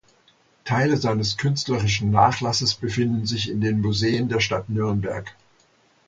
Teile seines künstlerischen Nachlasses befinden sich in den Museen der Stadt der Nürnberg.